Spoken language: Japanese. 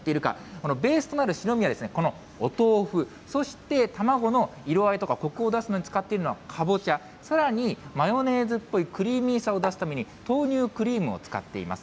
このベースとなる白身は、このお豆腐、そして卵の色合いとかこくを出すのに使っているのはカボチャ、さらにマヨネーズっぽいクリーミーさを出すために、豆乳クリームを使っています。